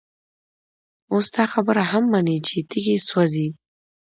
اوس دا خبره هم مني چي تيږي سوزي،